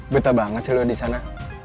betah banget sih lo disana